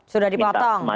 sudah dipotong gitu ya